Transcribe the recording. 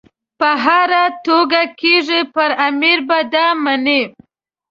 په هره توګه کېږي پر امیر به دا مني.